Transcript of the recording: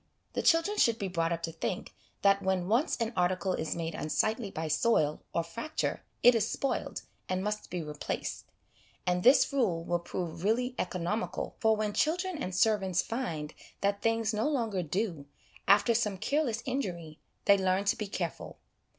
The children should be brought up to think that when once an article is made unsightly by soil or fracture it is spoiled, and must be replaced ; and this rule will prove really economical, for when children and servants find that things no longer 'do/ after some careless injury, they learn to be careful.